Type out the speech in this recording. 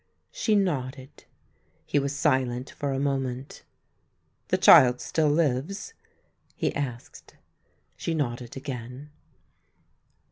She nodded. He was silent for a moment. " The child still lives ?" he asked. She nodded again.